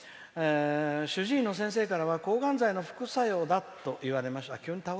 主治医の先生には抗がん剤の副作用だといわれました。